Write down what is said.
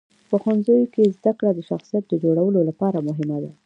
په ښوونځیو کې زدهکړه د شخصیت جوړولو لپاره مهمه ده.